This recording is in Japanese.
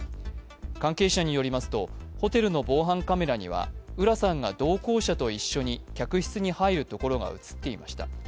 関係者などによりますとホテルの防犯カメラには浦さんが同行者と一緒に客室に入るところが映っていました。